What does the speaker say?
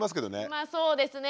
まあそうですね。